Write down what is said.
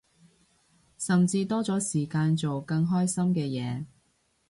甚至多咗時間做更開心嘅嘢